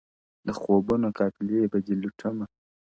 د خوبونو قافلې به دي لوټمه -